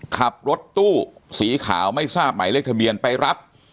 ขับรถตู้สีขาวไม่ทราบหมายเลขทะเบียนไปรับ